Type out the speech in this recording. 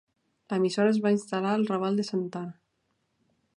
L'emissora es va instal·lar al Raval de Santa Anna.